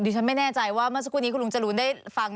ฉันไม่แน่ใจว่าเมื่อสักครู่นี้คุณลุงจรูนได้ฟัง